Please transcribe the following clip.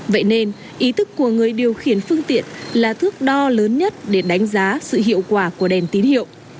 vậy nên ý thức của người điều khiển phương tiện là thước đo lớn nhất để đánh giá sự hiệu quả của đèn tín hiệu